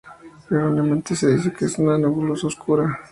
Erróneamente se dice que es una nebulosa oscura.